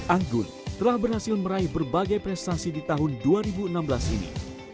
anggun telah berhasil meraih berbagai prestasi di tahun dua ribu enam belas ini